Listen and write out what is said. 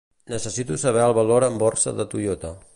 Necessito saber el valor en borsa de Toyota.